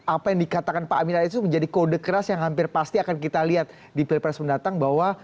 apa yang dikatakan pak amin rais itu menjadi kode keras yang hampir pasti akan kita lihat di pilpres mendatang bahwa